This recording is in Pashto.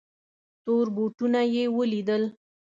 تور بوټونه یې ولیدل.